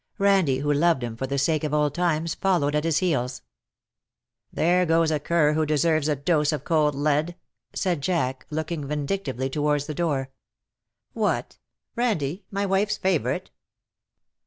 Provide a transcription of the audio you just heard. Randie, who loved him for the sake of old times, followed at his heels. " There goes a cur who deserves a dose of cold lead/' said Jack, looking vindictively towards the door. *^ What, Randie, my wife's favourite